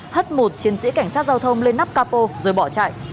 hất một chiến sĩ cảnh sát giao thông lên nắp capo rồi bỏ chạy